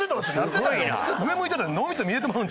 上向いてたら脳みそ見えてまうんちゃう？